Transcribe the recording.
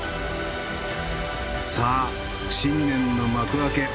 さあ新年の幕開け！